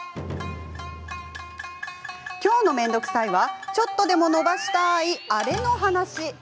今日の「めんどくさい」はちょっとでものばしたいあれの話。